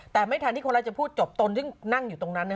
แต่ไม่ทันที่คนร้ายจะพูดจบตนซึ่งนั่งอยู่ตรงนั้น